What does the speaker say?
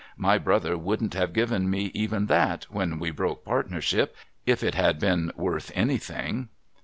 My brother wouldn't have given me even that, when we broke partnershij), if it had been worth anjthing.'